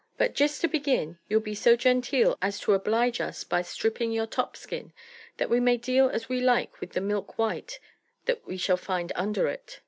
But, jest to begin, you'll be so genteel as to oblige us by ftripping your top skin, that we may deal as we like with the milk white that we shall find under it."